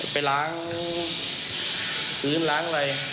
ไปล้างพื้นล้างอะไร